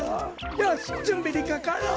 よしじゅんびにかかろう！